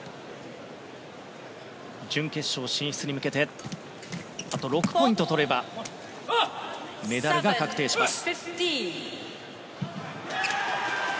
準決勝進出に向けてあと６ポイント取ればメダルが確定します。